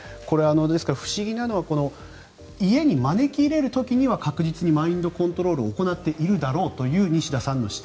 不思議なのは家に招き入れる時には確実にマインドコントロールを行っているだろうという西田さんの指摘。